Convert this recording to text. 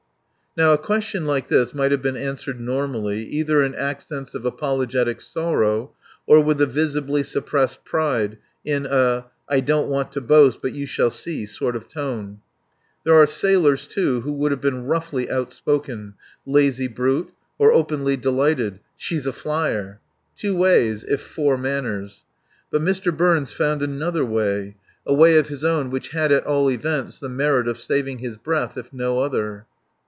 Now a question like this might have been answered normally, either in accents of apologetic sorrow or with a visibly suppressed pride, in a "I don't want to boast, but you shall see," sort of tone. There are sailors, too, who would have been roughly outspoken: "Lazy brute," or openly delighted: "She's a flyer." Two ways, if four manners. But Mr. Burns found another way, a way of his own which had, at all events, the merit of saving his breath, if no other.